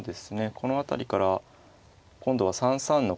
この辺りから今度は３三の角をですね